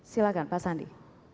silakan pak sandi